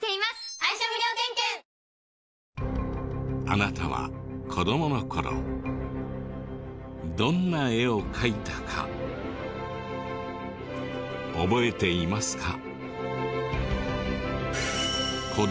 あなたは子どもの頃どんな絵を描いたか覚えていますか？